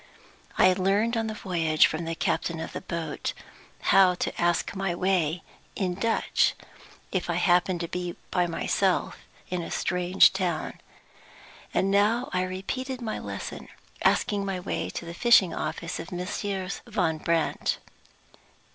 I had learned on the voyage, from the captain of the boat, how to ask my way in Dutch, if I happened to be by myself in a strange town; and I now repeated my lesson, asking my way to the fishing office of Messrs. Van Brandt.